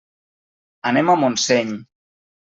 Anem a Montseny.